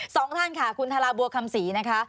สองท่านค่ะคุณทาราบัวคำศรีนะคะ